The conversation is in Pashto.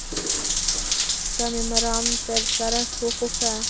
که مې مرام تر سره شو خو ښه.